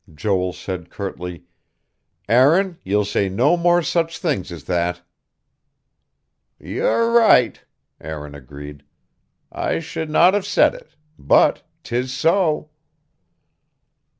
Joel said curtly: "Aaron, ye'll say no more such things as that." "Ye're right," Aaron agreed. "I should no have said it. But 'tis so."